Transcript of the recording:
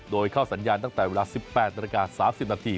โดยเข้าสัญญาณตั้งแต่เวลา๑๘นาฬิกา๓๐นาที